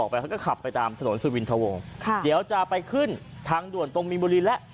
ไปเขาก็ขับไปตามถนนสุวินทะวงค่ะเดี๋ยวจะไปขึ้นทางด่วนตรงมีนบุรีแล้ว